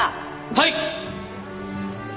はい。